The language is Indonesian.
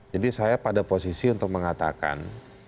jadi saya pada posisi untuk mengatakan